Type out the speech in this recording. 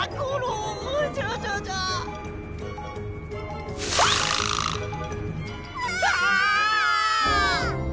うわ！